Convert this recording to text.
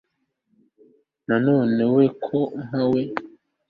na none we wo kampa we